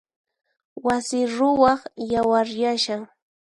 Wasi ruwaq yawaryashan.